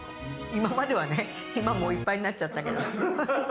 今まではね、今はいっぱいになっちゃったけど。